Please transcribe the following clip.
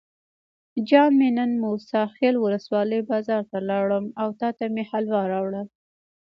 جان مې نن موسی خیل ولسوالۍ بازار ته لاړم او تاته مې حلوا راوړل.